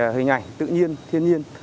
hình ảnh tự nhiên thiên nhiên